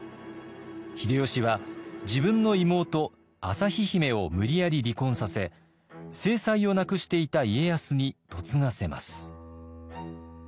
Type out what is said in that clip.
秀吉は自分の妹旭姫を無理やり離婚させ正妻を亡くしていた家康に嫁がせます。